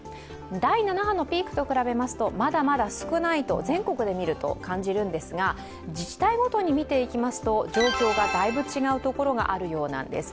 第７波のピークと比べるとまだまだ少ないと全国で見ると感じるんですが自治体ごとに見ていきますと状況がだいぶ違うところがあるようです。